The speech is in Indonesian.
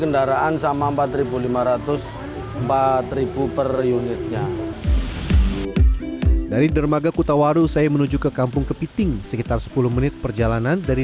dari dermaga kutawaru saya menuju ke kampung kepiting sekitar sepuluh menit perjalanan dari